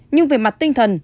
nhưng về mặt tinh thần